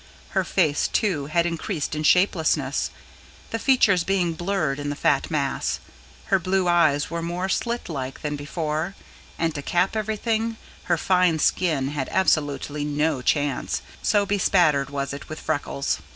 Her face, too, had increased in shapelessness, the features being blurred in the fat mass; her blue eyes were more slit like than before; and, to cap everything, her fine skin had absolutely no chance, so bespattered was it with freckles.